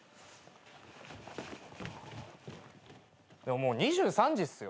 でももう２３時っすよ。